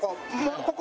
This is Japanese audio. ここ。